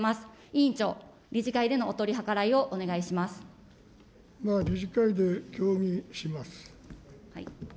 委員長、理事会でのお取り計らいをお願いします。